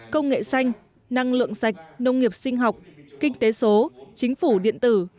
công nghệ xanh năng lượng sạch nông nghiệp sinh học kinh tế số chính phủ điện tử